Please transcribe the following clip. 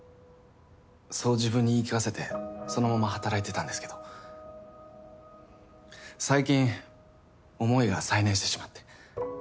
そう自分に言い聞かせてそのまま働いてたんですけど最近思いが再燃してしまって。